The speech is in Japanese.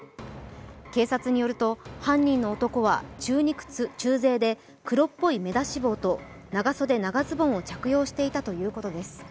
警察によると、犯人の男は中肉中背で黒っぽい目出し帽と長袖、長ズボンを着用していたということです。